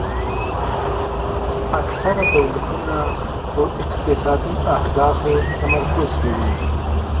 اکثره دولتونه په اقتصادي اهدافو تمرکز کوي